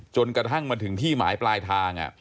จนกระทั่งมาถึงที่หมายปลายทาง